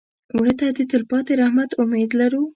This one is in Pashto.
مړه ته د تلپاتې رحمت امید لرو